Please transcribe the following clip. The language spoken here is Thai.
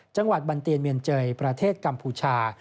จังหวัดบันเตียนเมียนเจยประเทศกัมพูชา